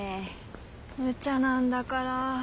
むちゃなんだから。